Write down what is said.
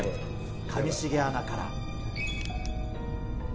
上重アナから。